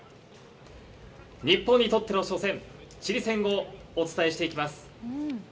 日本にとっての初戦、チリ戦をお伝えしていきます。